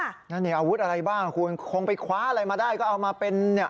นั่นเนี่ยอาวุธอะไรบ้างคุณคงไปคว้าอะไรมาได้ก็เอามาเป็นเนี่ย